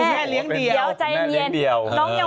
คุณแม่เลี้ยงเดียวคุณแม่เลี้ยงเดียว